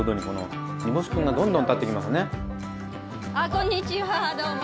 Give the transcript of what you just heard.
こんにちはどうも。